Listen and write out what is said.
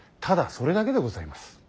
ただそれだけでございます。